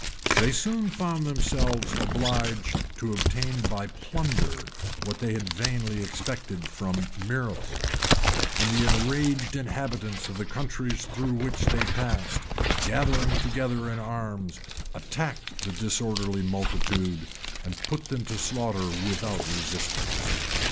They soon found themselves obliged to obtain by plunder what they had vainly expected from miracles; and the enraged inhabitants of the countries through which they passed, gathering together in arms, attacked the disorderly multitude, and put them to slaughter without resistance.